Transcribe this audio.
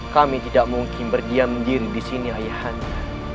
kami tidak mungkin berdiam diri disini ayah anda